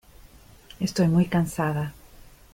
Estoy muy cansada.